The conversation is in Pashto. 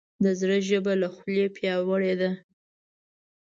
د زړه ژبه له خولې پیاوړې ده.